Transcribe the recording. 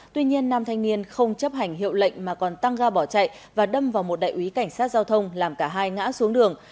tuy nhiên nam thanh niên không chấp hành hiệu lệnh mà còn tăng ga bỏ chạy và đâm vào một đại úy cảnh sát giao thông làm cả hai ngã xuống đường